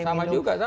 sama juga sama